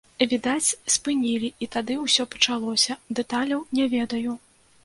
Відаць, спынілі і тады ўсё пачалося, дэталяў не ведаю.